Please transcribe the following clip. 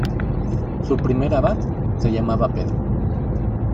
Su primer abad se llamaba Pedro.